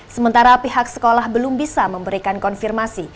sementara pihak sekolah belum bisa memberikan konfirmasi